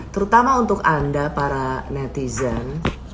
terutama untuk anda para netizen